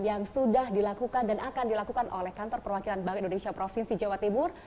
yang sudah dilakukan dan akan dilakukan oleh kantor perwakilan bank indonesia provinsi jawa timur